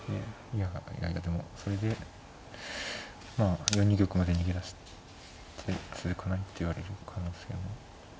いやいやいやでもそれでまあ４二玉まで逃げ出して続かないって言われる可能性も。